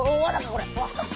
これ。